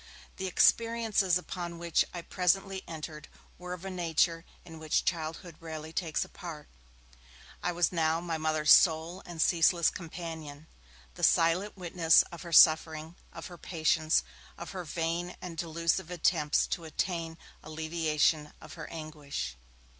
The experiences upon which I presently entered were of a nature in which childhood rarely takes a part. I was now my Mother's sole and ceaseless companion; the silent witness of her suffering, of her patience, of her vain and delusive attempts to obtain alleviation of her anguish.